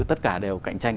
tất cả đều cạnh tranh